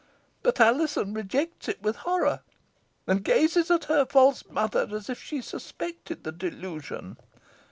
But Alizon rejects it with horror, and gazes at her false mother as if she suspected the delusion.